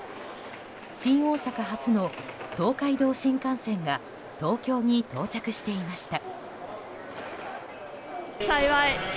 新大阪発の東海道新幹線が東京に到着していました。